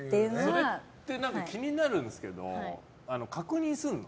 それって気になるんですけど確認するの？